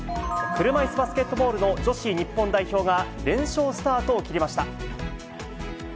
車いすバスケットボールの女子日本代表が連勝スタートを切りました。